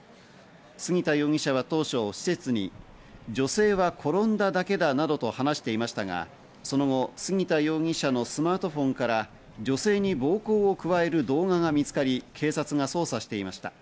杉田容疑者は当初施設に女性は転んだだけだなどと話していましたが、その後、杉田容疑者のスマートフォンから女性に暴行を加える動画が見つかり、警察が捜査していました。